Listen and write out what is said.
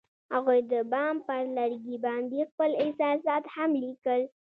هغوی د بام پر لرګي باندې خپل احساسات هم لیکل.